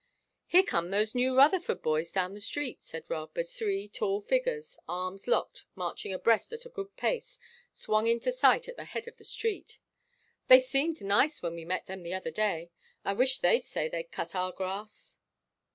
There come those new Rutherford boys down the street," said Rob, as three tall figures, arms locked, marching abreast at a good pace, swung into sight at the head of the street. "They seemed nice when we met them the other day; I wish they'd say they'd cut our grass."